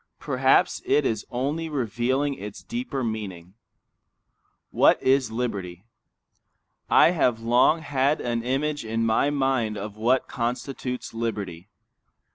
Perhaps it is only revealing its deeper meaning. What is liberty? I have long had an image in my mind of what constitutes liberty.